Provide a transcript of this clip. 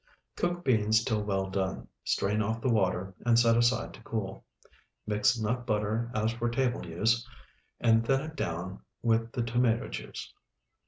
Cook beans till well done, strain off the water, and set aside to cool. Mix nut butter as for table use, and thin it down with the tomato juice.